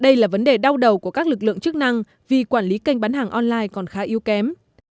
đây là vấn đề đau đầu của các lực lượng chức năng vì quản lý kênh bán hàng online còn khá yếu kém